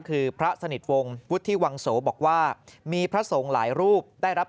คือพระสนิทวงศ์วุฒิวังโสบอกว่ามีพระสงฆ์หลายรูปได้รับ